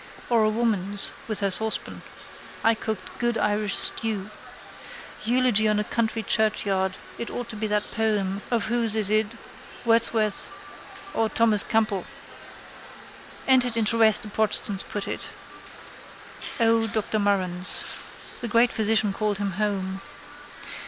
Or a woman's with her saucepan. I cooked good Irish stew. Eulogy in a country churchyard it ought to be that poem of whose is it Wordsworth or Thomas Campbell. Entered into rest the protestants put it. Old Dr Murren's. The great physician called him home.